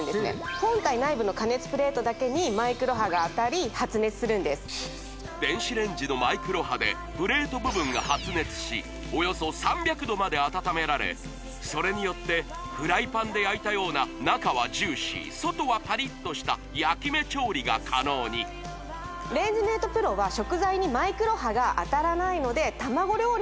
本体内部の加熱プレートだけにマイクロ波が当たり発熱するんです電子レンジのマイクロ波でプレート部分が発熱しおよそ３００℃まで温められそれによってフライパンで焼いたような中はジューシー外はパリッとした焼き目調理が可能にレンジメートプロは食材にマイクロ波が当たらないので・え！